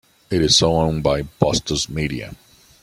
It is owned by Bustos Media.